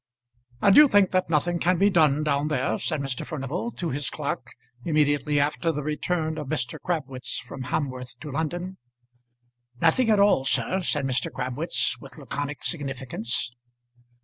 "And you think that nothing can be done down there?" said Mr. Furnival to his clerk, immediately after the return of Mr. Crabwitz from Hamworth to London. "Nothing at all, sir," said Mr. Crabwitz, with laconic significance.